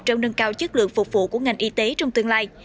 trong nâng cao chất lượng phục vụ của ngành y tế trong tương lai